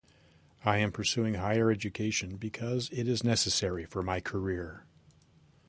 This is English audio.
I am pursuing higher education because it is necessary for my career.